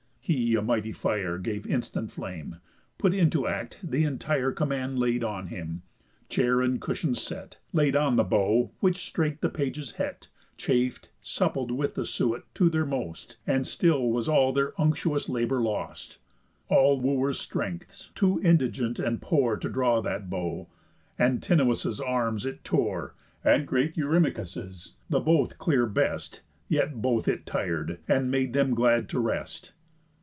He a mighty fire Gave instant flame, put into act th' entire Command laid on him, chair and cushions set, Laid on the bow, which straight the pages het, Chaf'd, suppled with the suet to their most; And still was all their unctuous labour lost, All Wooers' strengths too indigent and poor To draw that bow; Antinous' arms it tore, And great Eurymachus', the both clear best, Yet both it tir'd, and made them glad to rest.